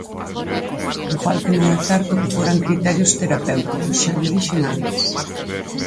Igual que non é certo que foran criterios terapéuticos, xa llo dixen antes.